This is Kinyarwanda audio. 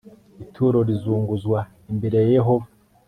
ituro rizunguzwa imbere ya yehova